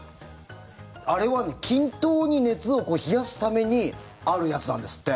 あれは均等に熱を冷やすためにあるやつなんですって。